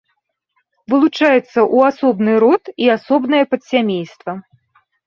Вылучаецца ў асобны род і асобнае падсямейства.